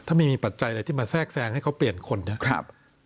ถ้าไม่มีปัจจัยอะไรที่มาแทรกแซงให้เขาเปลี่ยนคนนะครับ